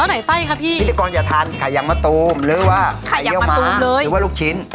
ไหนไส้คะพี่พิธีกรอย่าทานไข่ยังมะตูมหรือว่าไข่เยี่ยวม้าหรือว่าลูกชิ้น